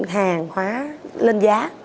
hàng hóa lên giá